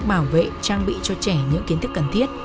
bảo vệ trang bị cho trẻ những kiến thức cần thiết